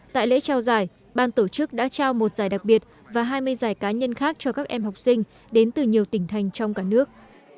tại lễ trao giải ban tổ chức đã trao một giải đặc biệt và hai mươi giải cá nhân khác cho các em học sinh đến từ nhiều tỉnh thành trong cả nước